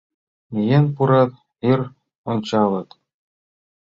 Миен пурат, йыр ончалыт